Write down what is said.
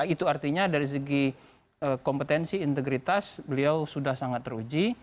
itu artinya dari segi kompetensi integritas beliau sudah sangat teruji